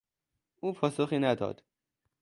او پاسخی نداد.